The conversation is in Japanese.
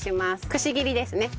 くし切りですね。